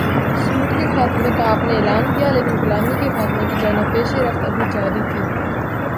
سود کے خاتمے کا آپ نے اعلان کیا لیکن غلامی کے خاتمے کی جانب پیش رفت ابھی جاری تھی۔